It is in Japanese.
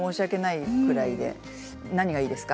何がいいですか？